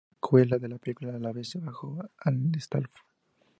Es la secuela de la película "La bestia bajo el asfalto".